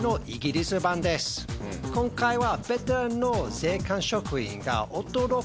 今回は。